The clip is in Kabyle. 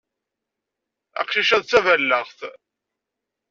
Aqcic-a d taballaɣt.